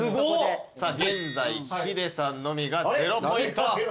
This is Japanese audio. さあ現在ヒデさんのみが０ポイント。